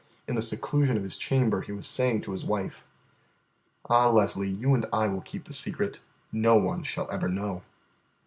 In the seclusion of his chamber he was saying to his wife: "Ah, Leslie, you and I will keep the secret. No one shall ever know."